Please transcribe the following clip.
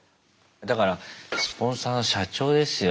だからスポンサーの社長ですよ。